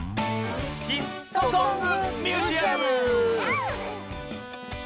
「ヒットソング・ミュージアム」！